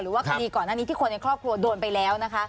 ว่าคดีก่อนหน้านี้ที่คนในครอบครัวโดนไปแล้วนะคะ